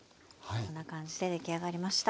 こんな感じで出来上がりました。